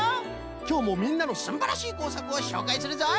きょうもみんなのすんばらしいこうさくをしょうかいするぞい！